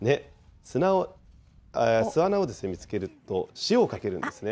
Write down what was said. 巣穴を見つけると、塩をかけるんですね。